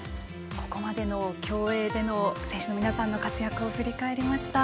ここまでの競泳での選手の皆さんの活躍を振り返りました。